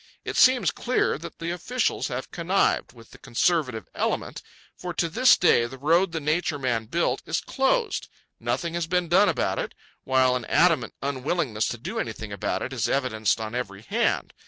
It seems clear that the officials have connived with the conservative element, for to this day the road the Nature Man built is closed; nothing has been done about it, while an adamant unwillingness to do anything about it is evidenced on every hand.